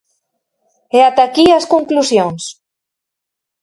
E ata aquí as conclusións.